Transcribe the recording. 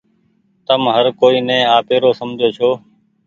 تم هر ڪوئي ني آپيرو سمجهو ڇو۔